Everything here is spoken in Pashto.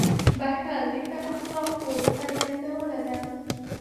• بښل د ښو اخلاقو څرګندونه کوي.